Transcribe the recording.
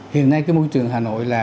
hiện nay cái môi trường hà nội là